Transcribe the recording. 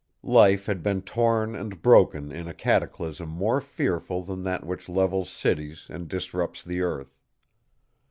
Life had been torn and broken in a cataclysm more fearful than that which levels cities and disrupts the earth.